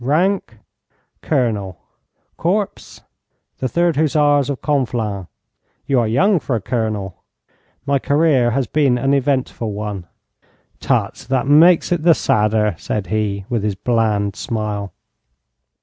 'Rank?' 'Colonel.' 'Corps?' 'The Third Hussars of Conflans.' 'You are young for a colonel.' 'My career has been an eventful one.' 'Tut, that makes it the sadder,' said he, with his bland smile.